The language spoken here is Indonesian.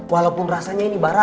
walaupun rasanya ini beneran